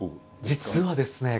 実はですね